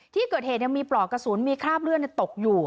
ที่เกิดเหตุยังมีปลอกกระสุนมีคราบเลือดตกอยู่